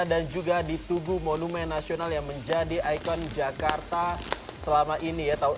dan juga di tubuh monumen nasional yang menjadi ikon jakarta selama ini ya